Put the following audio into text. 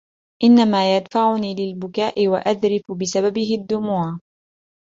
إن ما يدفعني للبكاء، وأذرف بسببه الدموع